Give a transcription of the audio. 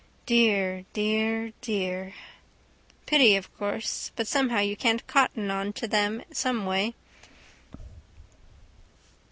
Dear, dear, dear. Pity, of course: but somehow you can't cotton on to them someway.